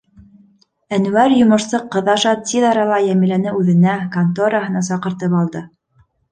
Әнүәр йомошсо ҡыҙ аша тиҙ арала Йәмиләне үҙенә, контораһына, саҡыртып алды.